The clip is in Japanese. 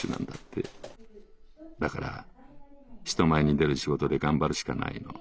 だから人前に出る仕事で頑張るしかないのぉ」。